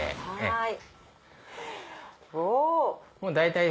はい。